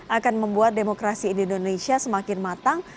akan membuat demokrasi di indonesia semakin matang